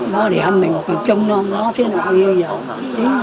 nó để em mình còn trông nó như thế nào như thế nào